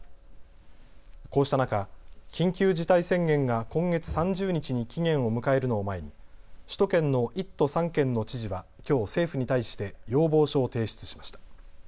こうした中、緊急事態宣言が今月３０日に期限を迎えるのを前に首都圏の１都３県の知事はきょう政府に対して要望書を提出しました。